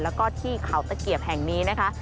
แล้วก็ที่เขาตะเกียบแห่งนี้นะคะ